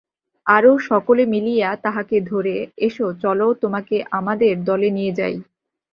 আরও সকলে মিলিয়া তাহাকে ধরে- এসো, চলো তোমাকে আমাদের দলে নিয়ে যাই।